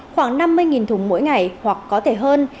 khoảng năm mươi thùng mỗi ngày hoặc có thể hơn